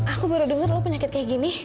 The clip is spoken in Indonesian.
aku baru dengar lo penyakit kayak gini